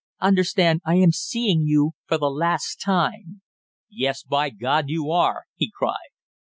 Understand, I am seeing you for the last time " "Yes, by God, you are!" he cried.